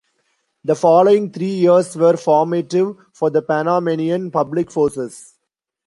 The following three years were formative for the Panamanian Public Forces.